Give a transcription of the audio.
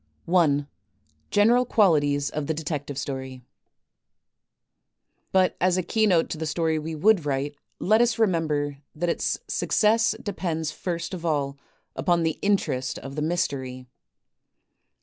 I. General Qualities of the Detective Story But as a keynote to the story we would write let us re member that its success depends first of all upon the interest of the mystery.